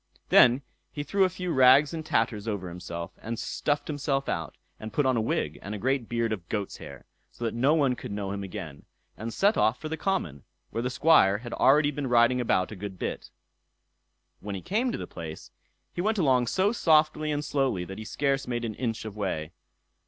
Then he threw a few rags and tatters over himself, and stuffed himself out, and put on a wig and a great beard of goat's hair, so that no one could know him again, and set off for the common, where the Squire had already been riding about a good bit. When he reached the place, he went along so softly and slowly that he scarce made an inch of way.